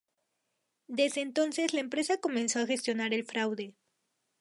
Desde entonces la empresa comenzó a gestionar el fraude.